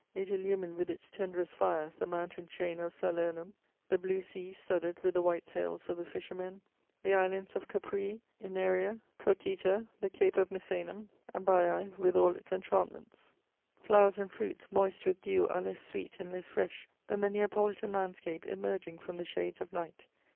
it illumined with its tenderest fires the mountain chain of Salernum, the blue sea studded with the white sails of the fishermen, the islands of Capræ, Œnaria, Prochyta... the cape of Misenum and Baiæ with all its enchantments. "Flowers and fruits moist with dew are less sweet and less fresh than the Neapolitan landscape emerging from the shades of night.